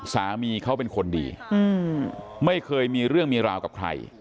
สามีเขาเป็นคนดีไม่เคยมีเรื่องมีราวกับใคร